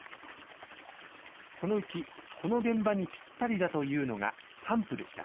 このうち、この現場にぴったりだというのがハンプでした。